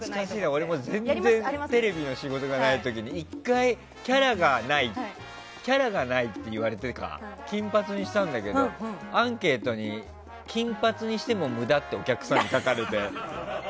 俺も全然テレビの仕事がない時にキャラがないと言われてて金髪にしたんだけどアンケートに金髪にしても無駄ってお客さんに書かれて。